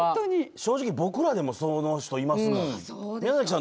正直、僕らでもその人いますもん。